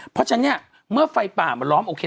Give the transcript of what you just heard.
เพราะฉะนั้นเนี่ยเมื่อไฟป่ามันล้อมโอเค